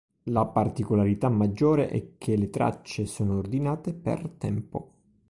La particolarità maggiore è che le tracce sono ordinate per "tempo".